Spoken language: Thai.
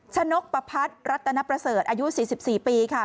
ชนกประพัดรัตนประเสริฐอายุ๔๔ปีค่ะ